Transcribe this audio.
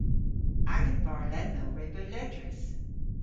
Agan barrlennell re beu ledrys.